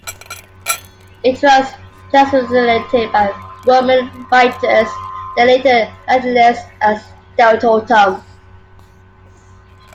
It was transliterated by Roman writers, then later Latinised as Deltotum.